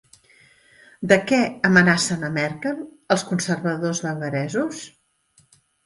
De què amenacen a Merkel els conservadors bavaresos?